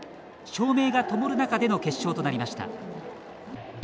照明がともる中での決勝となりました。